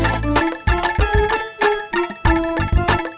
aduh dari dia